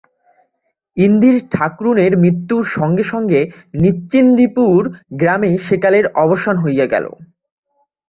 ইন্দির ঠাকরুনের মৃত্যুর সঙ্গে সঙ্গে নিশ্চিন্দিপুর গ্রামে সেকালের অবসান হইয়া গেল।